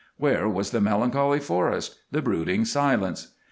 Where was the melancholy forest? the brooding silence?